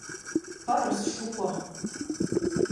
Пырыс шуко.